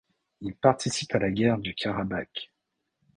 Il participe à la la guerre du Karabakh.